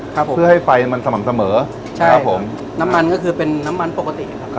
ครับผมเพื่อให้ไฟมันสม่ำเสมอใช่ครับผมน้ำมันก็คือเป็นน้ำมันปกตินะครับครับ